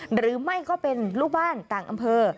หรือไม่ก็เป็นลูกบ้านต่างอำเภอ